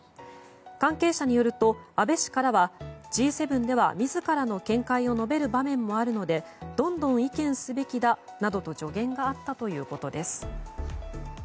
関係者によると安倍氏からはＧ７では自らの見解を述べる場面もあるのでどんどん意見すべきだなどと助言があったということです。